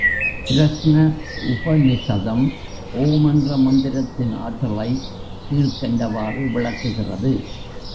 பிரஸ்ன உபநிஷதம் ஓம் என்ற மந்திரத்தின் ஆற்றலைக் கீழ்க் கண்டவாறு விளக்குகிறது.